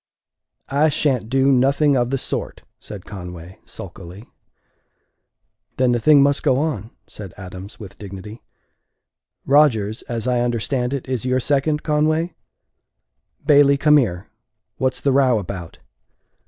"I sha'n't do nothing of the sort," said Conway, sulkily. "Then the thing must go on," said Adams, with dignity. "Rodgers, as I understand it, is your second, Conway? Bailey, come here. What's the row about?"